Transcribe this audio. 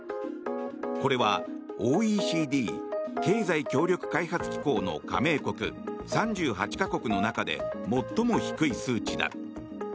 これはＯＥＣＤ・経済協力開発機構の加盟国３８か国の中で最も低い数値だ。